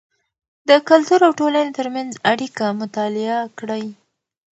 د کلتور او ټولنې ترمنځ اړیکه مطالعه کړئ.